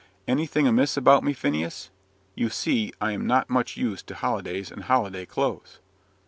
"Anything amiss about me, Phineas? You see I am not much used to holidays and holiday clothes."